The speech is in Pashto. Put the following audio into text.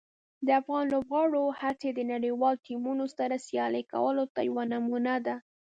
د افغان لوبغاړو هڅې د نړیوالو ټیمونو سره سیالي کولو ته یوه نمونه ده.